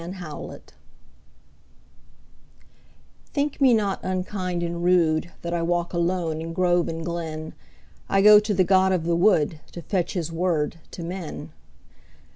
The Apology THINK me not unkind and rudeThat I walk alone in grove and glen;I go to the god of the woodTo fetch his word to men.